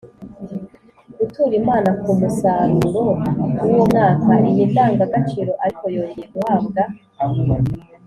gutura imana ku musaruro w’uwo mwaka. iyi ndangagaciro ariko yongeye guhabwa